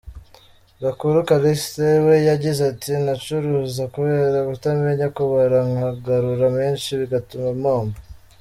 Gakuru Callixte we yagize ati “Naracuruza kubera kutamenya kubara nkagarura menshi bigatuma mpomba.